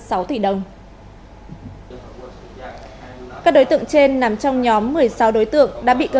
các đối tượng trên nằm trong nhóm một mươi sáu đối tượng đã bị cơ quan cảnh sát điều tra công an tỉnh cà mau khởi tố và bắt tạm giam